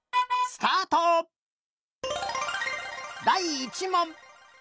だい１もん！